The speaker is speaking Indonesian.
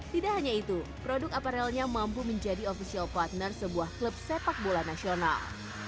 tidak hanya itu produk aparelnya mampu menjadi official partner sebuah klub sepak bola nasional